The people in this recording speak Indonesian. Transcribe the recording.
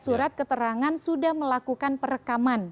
surat keterangan sudah melakukan perekaman